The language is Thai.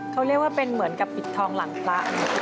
เขาเรียกว่าเป็นเหมือนกับปิดทองหลังพระ